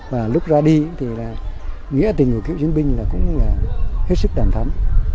và lúc ra đi thì nghĩa tình của cựu chiến binh cũng là hết sức đảm thắm